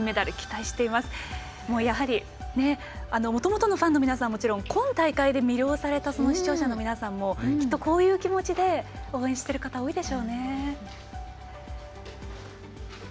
もともとのファンの皆さんはもちろん今大会で魅了された視聴者の皆さんもきっと、こういう気持ちで応援している方が多いでしょうね。